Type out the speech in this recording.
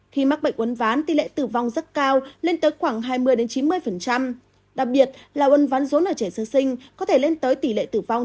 khi mắc bệnh uấn ván tỷ lệ tử vong rất cao lên tới khoảng hai mươi chín mươi đặc biệt là uấn ván rốn ở trẻ sơ sinh có thể lên tới tỷ lệ tử vong chín mươi năm